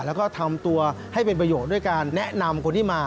แล้วก็ทำตัวให้เป็นประโยชน์ด้วยการแนะนำคนที่มา